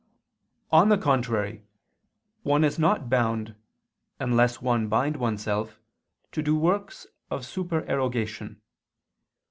On the contrary, one is not bound, unless one bind oneself, to do works of supererogation.